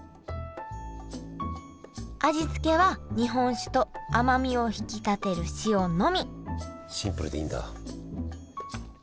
味付けは日本酒と甘みを引き立てる塩のみシンプルでいいんだ。